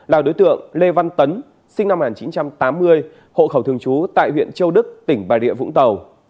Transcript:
là đối tượng lê văn tấn sinh năm một nghìn chín trăm tám mươi hộ khẩu thường trú tại huyện châu đức tỉnh bà địa vũng tàu